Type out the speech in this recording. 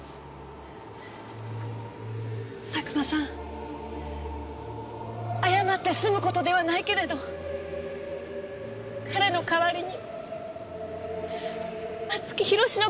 佐久間さん謝って済むことではないけれど彼の代わりに松木弘の代わりに謝ります。